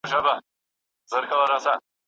او له ژونده د بدبینۍ